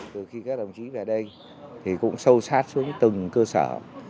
từ khi các đồng chí về đây thì cũng sâu sát xuống từng cơ sở